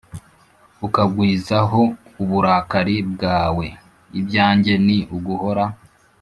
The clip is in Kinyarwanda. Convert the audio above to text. Ukangwizaho uburakari bwawe ibyanjye ni uguhora